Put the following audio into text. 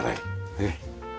ねえ。